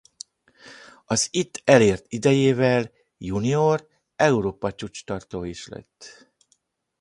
Az itt elért idejével junior Európa-csúcstartó is lett.